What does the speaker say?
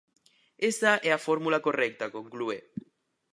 Esa é a fórmula correcta, conclúe.